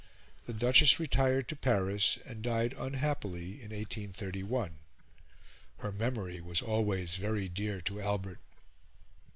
The Duchess retired to Paris, and died unhappily in 1831. Her memory was always very dear to Albert.